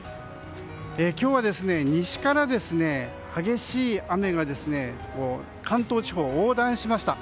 今日は西から激しい雨が関東地方を横断しました。